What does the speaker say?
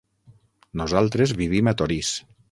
Nosaltres vivim a Torís.